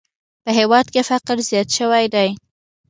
په هېواد کې فقر زیات شوی دی!